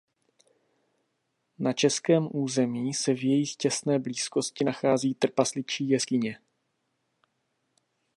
Na českém území se v jejich těsné blízkosti nachází "Trpasličí jeskyně".